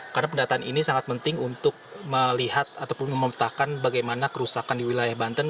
karena pendataan ini sangat penting untuk melihat ataupun mempertahankan bagaimana kerusakan di wilayah banten